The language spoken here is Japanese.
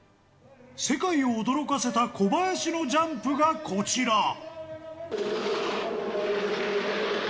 世界を驚かせた小林のジャンプがこちら。